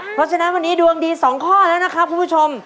เพราะฉะนั้นวันนี้ดวงดี๒ข้อแล้วนะครับคุณผู้ชม